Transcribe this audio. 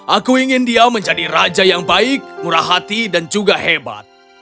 aku ingin dia menjadi raja yang baik murah hati dan juga hebat